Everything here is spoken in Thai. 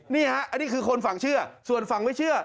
นี่ฮะอันนี้คือคนฝั่งเชื่อส่วนฝั่งไม่เชื่อ